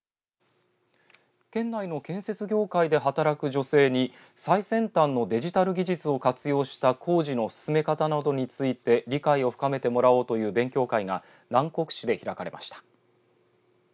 県内の建設業界で働く女性に最先端のデジタル技術を活用した工事の進め方などについて理解を深めてもらおうという勉強会が南国市で開かれました。